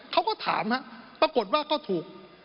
เขาก็ถามปรากฏว่าก็ถูก